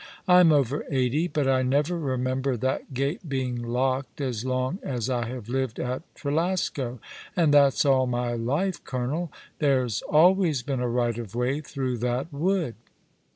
" I'm over eighty, but I never remember that gate being locked as long as I have lived at Trelasco, and that's all my life, colonel. There's always been a right of way through that wood."